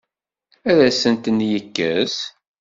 Ad asen-ten-yekkes?